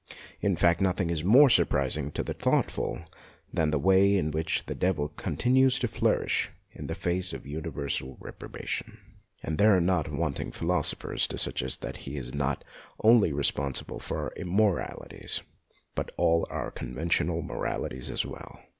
In fact, nothing is more surprising to the thoughtful than the way in which the devil continues to flourish in the face of universal reprobation, and there are not wanting philosophers to suggest that he is not only responsible for our immoralities, but for all our conventional moralities as well.